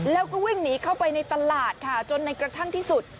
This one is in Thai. แล้วก็วิ่งหนีเข้าไปในตลาดค่ะจนในกระทั่งที่สุด